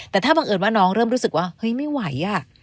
แต่ถ้าบังเอิญว่าน้องเริ่มรู้สึกว่าเฮ้ยไม่ไหวอ่ะ